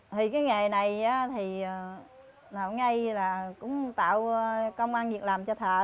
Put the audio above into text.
thì cái nghề này thì lão ngây là cũng tạo công an việc làm cho thợ